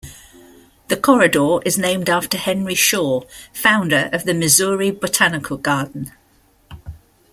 The corridor is named after Henry Shaw, founder of the Missouri Botanical Garden.